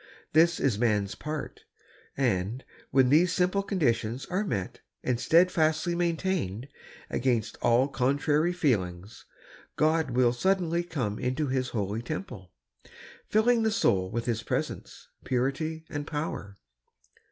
This is man's part, and, when these simple conditions are met and steadfastly maintained, against all contrary feelings, God will suddenly come into His holy temple, filling the soul with His presence, purity, and power.